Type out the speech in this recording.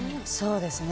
そうですね。